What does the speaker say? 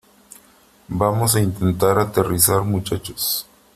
vamos a intentar aterrizar , muchachos .